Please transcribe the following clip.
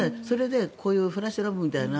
こういうフラッシュロブみたいな